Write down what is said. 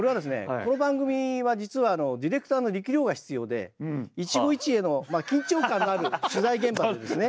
この番組は実はディレクターの力量が必要で一期一会の緊張感のある取材現場でですね。